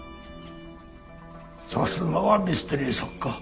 さすがはミステリ作家。